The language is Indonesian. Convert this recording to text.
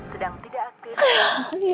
sedang tidak aktif